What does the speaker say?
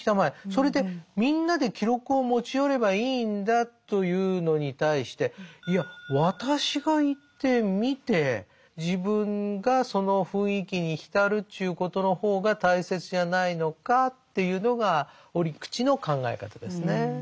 それでみんなで記録を持ち寄ればいいんだというのに対していや私が行って見て自分がその雰囲気に浸るっちゅうことの方が大切じゃないのかっていうのが折口の考え方ですね。